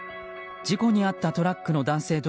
事故に遭ったトラックの男性